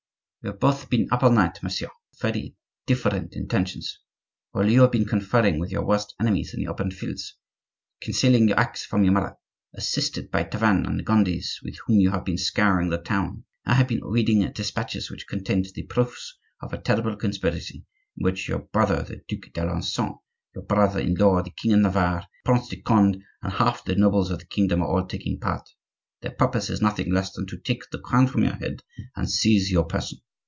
"We have both been up all night, monsieur; but with very different intentions. While you have been conferring with your worst enemies in the open fields, concealing your acts from your mother, assisted by Tavannes and the Gondis, with whom you have been scouring the town, I have been reading despatches which contained the proofs of a terrible conspiracy in which your brother, the Duc d'Alencon, your brother in law, the king of Navarre, the Prince de Conde, and half the nobles of your kingdom are taking part. Their purpose is nothing less than to take the crown from your head and seize your person.